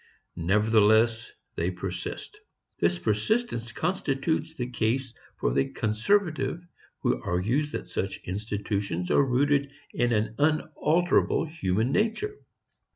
Nevertheless they persist. This persistence constitutes the case for the conservative who argues that such institutions are rooted in an unalterable human nature.